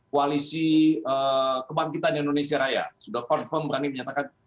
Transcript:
koalisi kebangkitan indonesia raya sudah confirm berani menyatakan